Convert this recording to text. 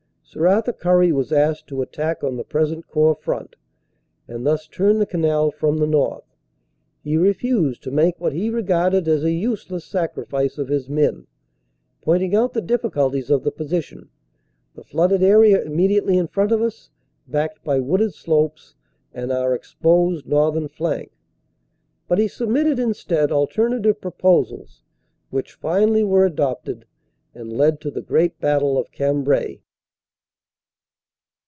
Sir Arthur Currie was asked to attack on the present Corps front, and thus turn the canal from the north. He refused to make what he regarded as a useless sacrifice of his men, pointing out the difficulties of the position, the flooded area immediately in front of us, backed by wooded slopes, and our exposed northern flank. But he submitted instead alternative proposals, which finally were adopted and led to the great battle of Cambrai.